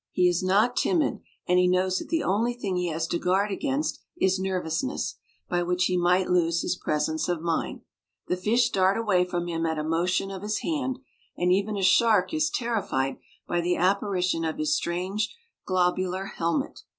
He is not timid, and he knows that the only thing he has to guard against is nervousness, by which he might lose his presence of mind. The fish dart away from him at a motion of his hand, and even a shark is terrified by the apparition of his strange globular helmet.